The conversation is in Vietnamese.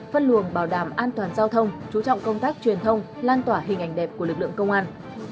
phân luồng bảo đảm an toàn giao thông chú trọng công tác truyền thông lan tỏa hình ảnh đẹp của lực lượng công an